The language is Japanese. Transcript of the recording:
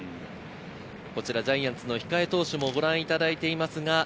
ジャイアンツの控え投手もご覧いただいています。